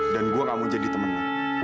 dan gua gak mau jadi temen lu